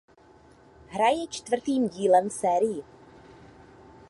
Hra je čtvrtým dílem v sérii.